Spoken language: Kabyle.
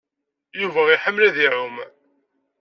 Yuba iḥemmel ad iɛum.